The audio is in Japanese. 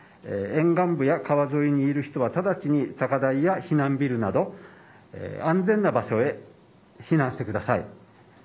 沿岸部や川沿いにいる人はただちに高台や避難ビルなど安全な場所へ避難してください。